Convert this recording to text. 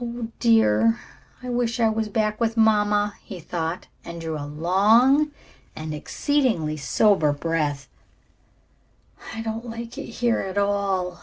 "Oh, dear, I wish I was back with mamma," he thought, and drew a long and exceedingly sober breath. "I don't like it here at all."